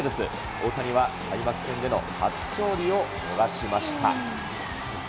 大谷は開幕戦での初勝利を逃しました。